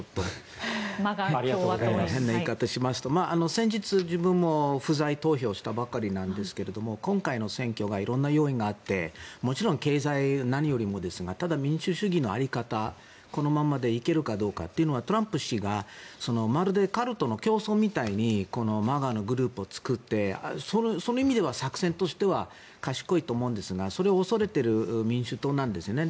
先日、自分も不在投票をしたばかりなんですが今回の選挙が色々な要因があってもちろん、経済は何よりもですがただ、民主主義の在り方このままで行けるかというのはトランプ氏がまるでカルトの教祖みたいにＭＡＧＡのグループを作ってその意味では作戦としては賢いと思うんですがそれを恐れている民主党なんですね。